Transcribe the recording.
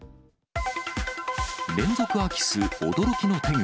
連続空き巣、驚きの手口。